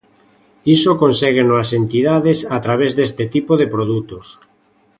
Iso conségueno as entidades a través deste tipo de produtos.